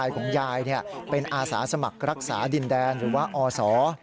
ของยายเป็นอาสาสมัครรักษาดินแดนหรือว่าอศ